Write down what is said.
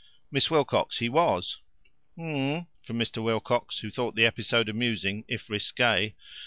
"Miss Wilcox, he was!" "M m m m!" from Mr. Wilcox, who thought the episode amusing, if risque.